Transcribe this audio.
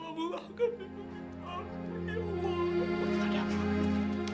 ampuni kami ya allah